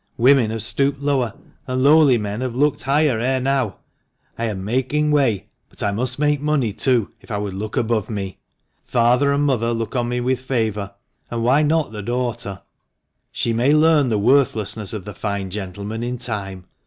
Women have stooped lower, and lowly men have looked higher ere now. I am making way, but I must make money too, if I would look above me. Father and mother look 3*8 THB MANCHESTER MAN. on me with favour, and why not the daughter? She may learn the worthlessness of the fine gentleman in time.